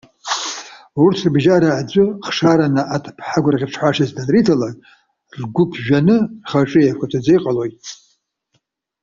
Урҭ рыбжьара аӡәы, хшараны аҭыԥҳа гәырӷьаҽҳәашас данрырҭалак, ргәы ԥжәаны рхаҿы еиқәаҵәаӡа иҟалоит.